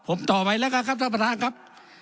ผมต่อไปแล้วกันครับท่านประธานครับ